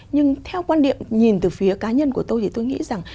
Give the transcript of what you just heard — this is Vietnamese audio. nhưng theo quan điểm nhìn từ phía cá nhân của tôi thì tôi nghĩ rằng